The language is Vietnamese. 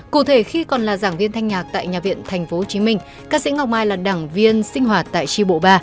cụ thể khi còn là giảng viên thanh nhạc tại nhà viện tp hcm ca sĩ ngọc mai là đảng viên sinh hoạt tại tri bộ ba